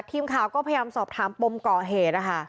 ทีมข่าวก็พยายามสอบถามปมก่อเหตุนะคะ